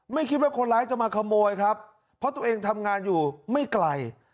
ไม่คิดว่าคนร้ายจะมาขโมยครับเพราะตัวเองทำงานอยู่ไม่ไกล